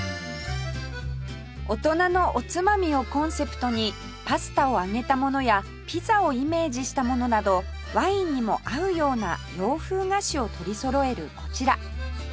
大人のおつまみをコンセプトにパスタを揚げたものやピザをイメージしたものなどワインにも合うような洋風菓子を取りそろえるこちら